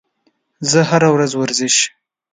زه هره ورځ ورزش